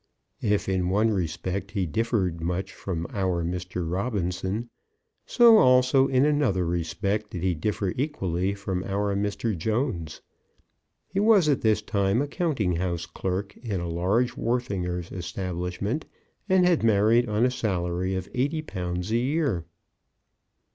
If in one respect he differed much from our Mr. Robinson, so also in another respect did he differ equally from our Mr. Jones. He was at this time a counting house clerk in a large wharfinger's establishment, and had married on a salary of eighty pounds a year.